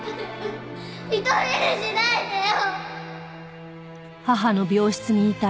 一人にしないでよ！